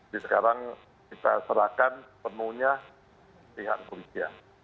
di sekarang kita serahkan penuhnya ke pihak polisian